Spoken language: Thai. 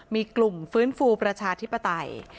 มีกลุ่มฟื้นฟูประชาธิปไตย